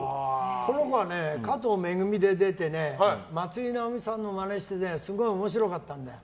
この子は、カトウ・メグミで出て松居直美さんのマネしてすごい面白かったんだよ。